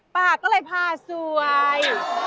ปากก็เลยพาสวย